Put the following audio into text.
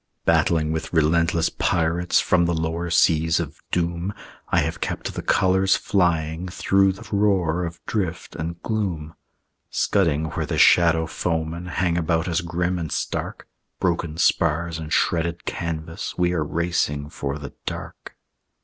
Battling with relentless pirates From the lower seas of Doom, I have kept the colors flying Through the roar of drift and gloom. Scudding where the shadow foemen Hang about us grim and stark, Broken spars and shredded canvas, We are racing for the dark.